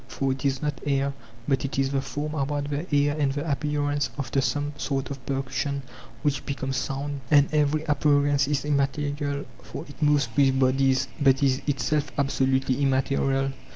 For it is not air, but it is the form about the air and the appearance [érupaveia| after some sort of percussion which becomes sound ; and every appearance is immaterial ; for it moves with bodies, but is itself absolutely immaterial